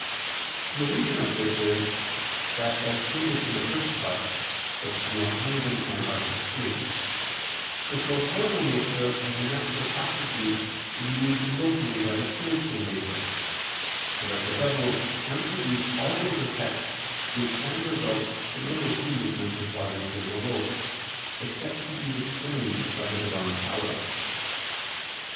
The reason of this is, that as stated in the First Part (Q. 110, A. 3), the corporeal nature has a natural aptitude to be moved locally by the spiritual nature: so that the devil can produce all those effects which can result from the local movement of bodies here below, except he be restrained by the Divine power.